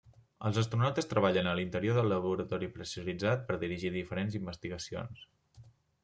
Els astronautes treballen a l'interior del laboratori pressuritzat per dirigir diferents investigacions.